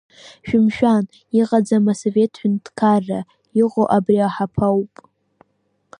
Шәымшәан, иҟаӡам асовет ҳәынҭқарра, иҟоу абри аҳаԥы ауп.